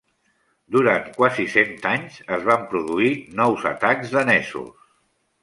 Durant quasi cent anys es van produir nous atacs danesos.